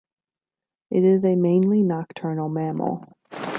It is a mainly nocturnal mammal.